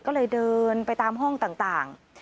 ก็เลยเดินไปตามห้องต่าง